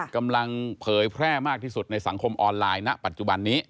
เผยแพร่มากที่สุดในสังคมออนไลน์ณปัจจุบันนี้